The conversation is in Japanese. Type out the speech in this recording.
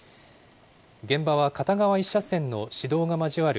現場は片側１車線の市道が交わる